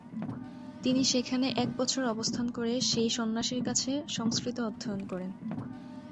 তিনি সেখানে এক বছর অবস্থান করে সেই সন্ন্যাসীর কাছে সংস্কৃত অধ্যয়ন করেন।